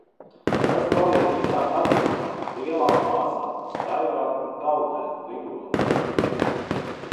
Kas palīdz visām radībām, lielām un mazām, staigāt, peldēt, lidot?